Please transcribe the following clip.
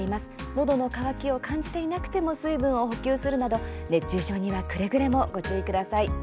のどの渇きを感じていなくても水分を補給するなど熱中症にはくれぐれもご注意ください。